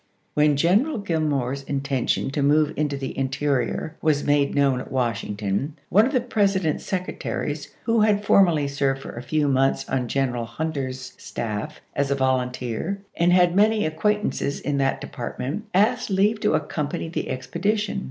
When General Gillmore's intention to move into the interior was made known at Washington, one of the President's secretaries, who had formerly served for a few months on General Hunter's staff as a volunteer, and had many acquaintances in that Department, asked leave to accompany the expedi tion.